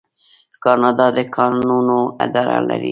کاناډا د کانونو اداره لري.